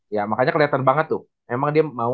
ya makanya kelihatan banget tuh emang dia mau